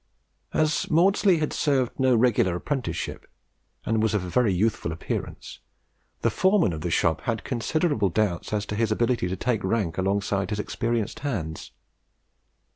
As Maudslay had served no regular apprenticeship, and was of a very youthful appearance, the foreman of the shop had considerable doubts as to his ability to take rank alongside his experienced hands.